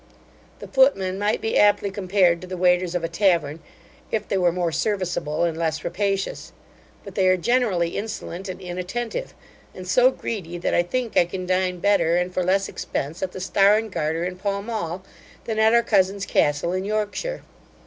The footmen might be aptly compared to the waiters of a tavern, if they were more serviceable and less rapacious; but they are generally insolent and inattentive, and so greedy, that, I think, I can dine better, and for less expence, at the Star and Garter in Pall mall, than at our cousin's castle in Yorkshire.